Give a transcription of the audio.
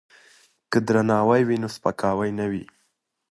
که درناوی وي نو سپکاوی نه وي.